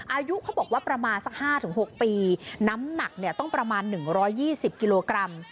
อายุเขาบอกว่าประมาณสัก๕๖ปีน้ำหนักต้องประมาณ๑๒๐กิโลกรัม